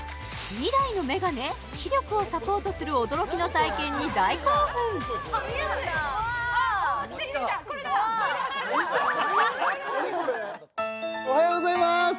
視力をサポートする驚きの体験に大興奮おはようございます